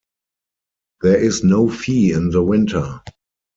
There is no fee in the winter.